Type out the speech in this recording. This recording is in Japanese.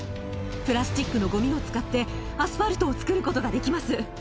プラスチックのごみを使ってアスファルトを作ることができます。